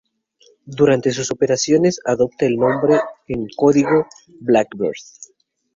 Durante sus operaciones adopta el nombre en código "Blackbird".